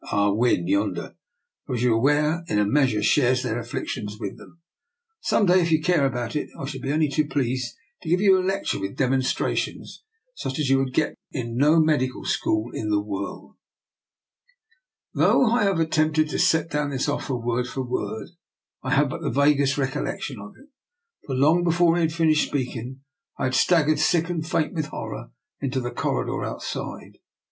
Ah Win, yonder, who, as you are aware, in a measure shares their afflic tions with them. Some day, if you care about it, I should be only too pleased to give you a lecture, with demonstrations, such as you would get in no medical school in the world." Though I have attempted to set down his 12 174 DR. NIKOLA'S EXPERIMENT. oflfer word for word, I have but the vaguest recollection of it ; for, long before he had fin ished speaking, I had staggered, sick and faint with horror, into the corridor outside.